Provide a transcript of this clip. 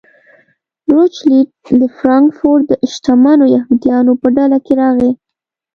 روچیلډ د فرانکفورټ د شتمنو یهودیانو په ډله کې راغی.